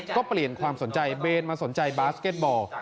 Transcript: ก็เปลี่ยนความสนใจเบนมาสนใจบาสเก็ตบอล